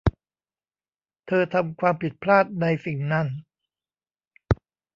เธอทำความผิดพลาดในสิ่งนั่น